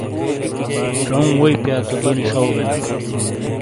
چَؤوں ووئی پِیا تو دونی شَو بینا۔